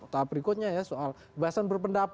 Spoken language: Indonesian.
tahap berikutnya ya soal bebasan berpendaftaran